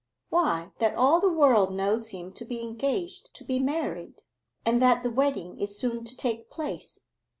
Why that all the world knows him to be engaged to be married, and that the wedding is soon to take place.